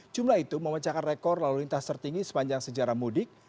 jumlah itu memecahkan rekor lalu lintas tertinggi sepanjang sejarah mudik